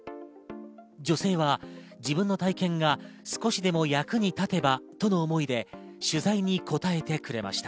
女性は自分の体験が少しでも役に立てばとの思いで取材に答えてくれました。